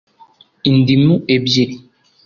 Indimu ebyiri